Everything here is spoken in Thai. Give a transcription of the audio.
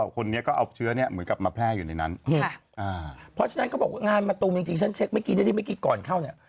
คนนี้ก็เอาเชื้อเหมือนกับมาแพร่อยู่จากนั้น